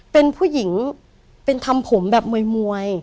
เป็นผู้หญิงเป็นทำผมแบบมวย